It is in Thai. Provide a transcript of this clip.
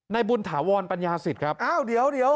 บุญถาวรปัญญาสิทธิ์ครับอ้าวเดี๋ยว